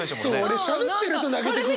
俺しゃべってると泣けてくるのよ。